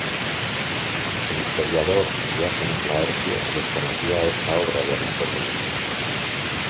El historiador Diógenes Laercio desconocía esta obra de Aristóteles.